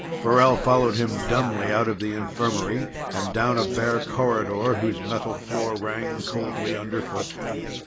Farrell followed him dumbly out of the infirmary and down a bare corridor whose metal floor rang coldly underfoot.